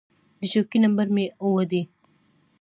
د چوکۍ نمبر مې اووه ډي و.